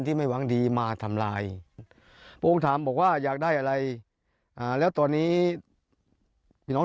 ถามความต้องกันของประชาชน